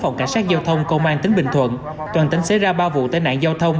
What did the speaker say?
lực lượng cảnh sát châu thông công an tỉnh bình thuận toàn tính xế ra ba vụ tai nạn châu thông